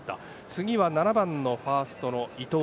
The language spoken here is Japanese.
次は７番のファーストの伊藤。